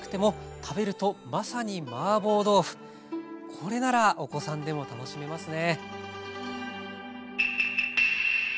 これならお子さんでも楽しめますね。